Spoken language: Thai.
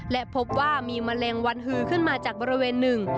และพบว่ามีมะเร็งวันฮือขึ้นมาจากบริเวณหนึ่ง